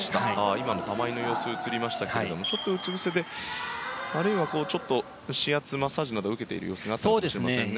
今の玉井の様子が映りましたがちょっとうつぶせで、あるいは指圧マッサージなどを受けている様子だったかもしれませんね。